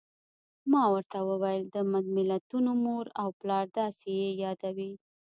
ما ورته وویل: د ملتونو مور او پلار، داسې یې یادوي.